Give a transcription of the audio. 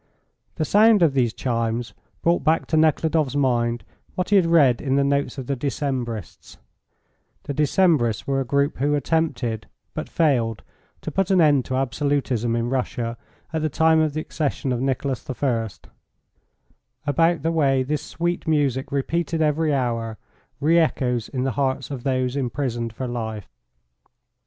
The sound of these chimes brought back to Nekhludoff's mind what he had read in the notes of the Decembrists [the Decembrists were a group who attempted, but failed, to put an end to absolutism in Russia at the time of the accession of Nicholas the First] about the way this sweet music repeated every hour re echoes in the hearts of those imprisoned for life.